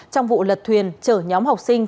trong vụ lật thuyền chở nhóm học sinh